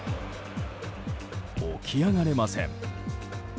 起き上がれません。